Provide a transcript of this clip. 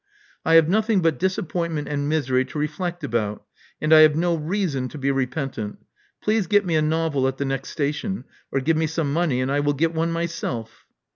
I have nothing but disappointment and misery to reflect about, and I have no reason to be repentant. Please get me a novel at the next station — or give me some money, and I will get one myself."